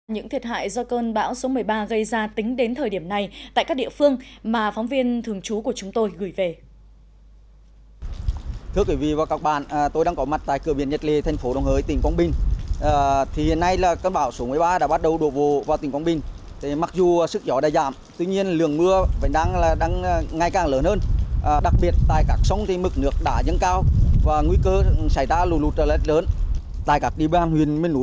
những thiệt hại do cơn bão số một mươi ba gây ra tính đến thời điểm này tại các địa phương mà phóng viên thường trú của chúng tôi gửi về